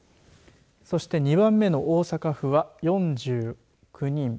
そして、２番目の大阪府は４９人。